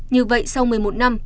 như vậy sau một mươi một năm